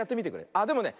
あでもね